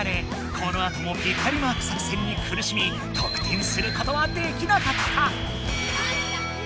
このあともピッタリマーク作戦にくるしみ得点することはできなかった。